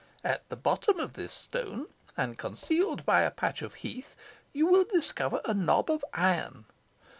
At the bottom of this stone, and concealed by a patch of heath, you will discover a knob of iron.